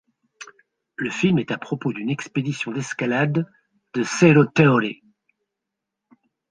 Le film est à propos d'une expédition d'escalade de Cerro Torre.